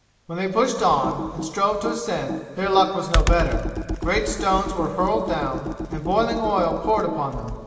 When they pushed on, and strove to ascend, their luck was no better. Great stones were hurled down, and boiling oil poured upon them.